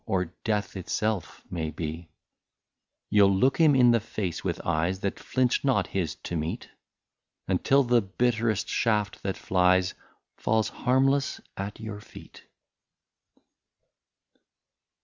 Or death itself, may be ; You '11 look him in the face with eyes That flinch not his to meet, Until the bitterest shaft, that flies. Falls harmless at your feet.